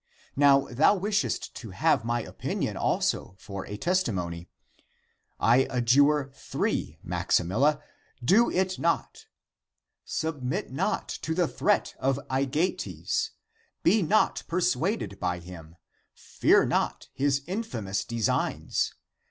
Now thou wishest to have my opinion also for a testi mony. I adjure three, Maximilla, do it not ! Sub mit not to the threat of Aegeates ! Be not per suaded by him ! Fear not his infaniDus designs